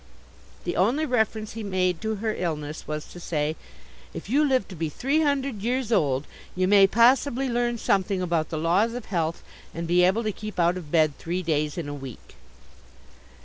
The only reference he made to her illness was to say: "If you live to be three hundred years old, you may possibly learn something about the laws of health and be able to keep out of bed three days in a week."